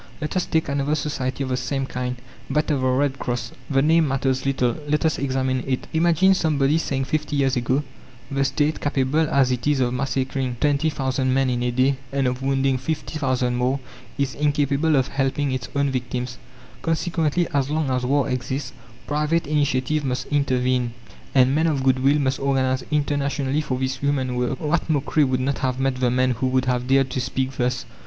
Let us take another society of the same kind, that of the Red Cross. The name matters little; let us examine it. Imagine somebody saying fifty years ago: "The State, capable as it is of massacring twenty thousand men in a day, and of wounding fifty thousand more, is incapable of helping its own victims; consequently, as long as war exists private initiative must intervene, and men of goodwill must organize internationally for this humane work!" What mockery would not have met the man who would have dared to speak thus!